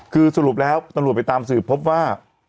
คือสรุปแล้วตำรวจไปตามสืบพบว่า